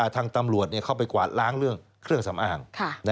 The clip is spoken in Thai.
ทางตำรวจเข้าไปกวาดล้างเรื่องเครื่องสำอาง